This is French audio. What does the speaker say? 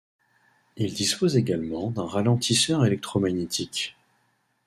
Il dispose également d'un ralentisseur électromagnétique.